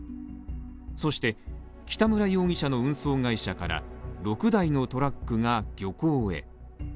そして、北村容疑者の運送会社から６台のトラックが、漁港へ。